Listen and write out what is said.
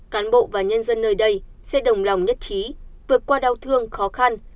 cán bộ và nhân dân nơi đây sẽ đồng lòng nhất trí vượt qua đau thương khó khăn